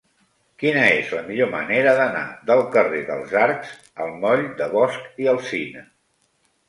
Quina és la millor manera d'anar del carrer dels Arcs al moll de Bosch i Alsina?